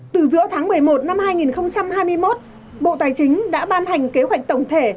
từ giữa tháng một mươi một năm hai nghìn hai mươi một bộ tài chính đã ban hành kế hoạch tổng thể